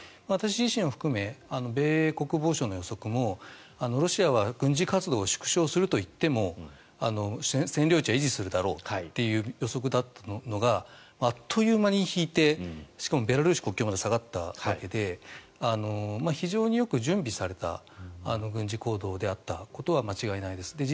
私自身を含め米国防省の予測もロシアは軍事活動を縮小するといっても占領地は維持するだろうという予測だったのがあっという間に引いてしかもベラルーシ国境まで下がったわけで非常によく準備された軍事行動であったことは間違いないです。